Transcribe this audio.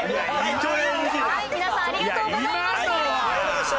はい皆さんありがとうございました。